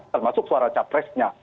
termasuk suara capresnya